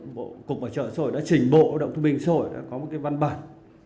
bộ cục bảo trợ xã hội đã trình bộ lao động thương binh và xã hội đã có một cái văn bản